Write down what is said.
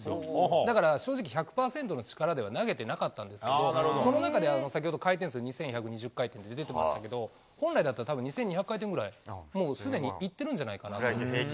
だから正直、１００％の力では投げてなかったんですけど、その中で先ほど、回転数２１２０回転って出てましたけど、本来だったら、たぶん、２２００回転ぐらい、もうすでにいってるんじゃないかと。